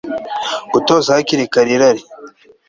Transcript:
Gutoza hakiri kare irari